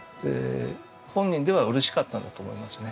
本人では嬉しかったんだと思いますね。